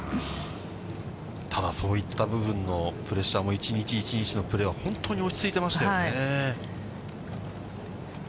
ただ、そういった部分のプレッシャーも、一日一日のプレーは本当に落ち着いてましたよね。